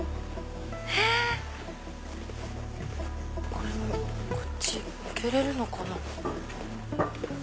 これもこっち抜けれるのかな。